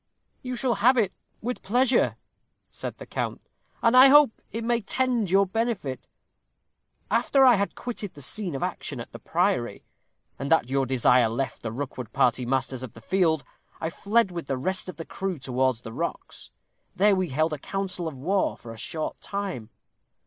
"You shall have it with pleasure," said the count; "and I hope it may tend to your benefit. After I had quitted the scene of action at the priory, and at your desire left the Rookwood party masters of the field, I fled with the rest of the crew towards the rocks. There we held a council of war for a short time.